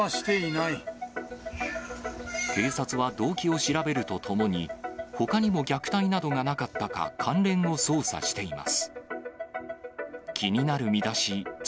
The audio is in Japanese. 警察は動機を調べるとともに、ほかにも虐待などがなかったか、関連を捜査しています。